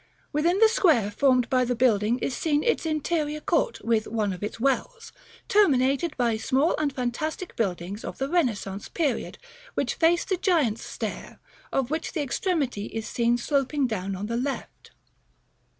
Within the square formed by the building is seen its interior court (with one of its wells), terminated by small and fantastic buildings of the Renaissance period, which face the Giant's Stair, of which the extremity is seen sloping down on the left.